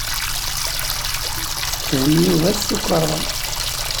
Tetthem Yuba s tukerḍa.